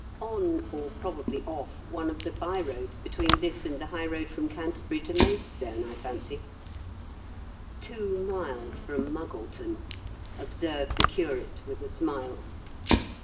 "On, or probably off, one of the by roads between this and the high road from Canterbury to Maidstone, I fancy." DINOLEY DELL. Ill Two miles from Muggleton/' observed the curate with a smile.